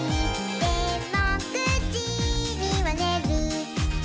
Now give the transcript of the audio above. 「でも９じにはねる」